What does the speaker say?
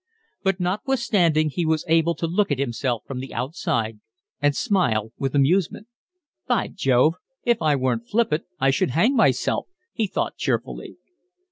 But notwithstanding he was able to look at himself from the outside and smile with amusement. "By Jove, if I weren't flippant, I should hang myself," he thought cheerfully.